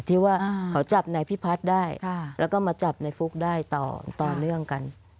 ที่ว่าเขาจับนายพิพัฒน์ได้แล้วก็มาจับในฟุ๊กได้ต่อเนื่องกัน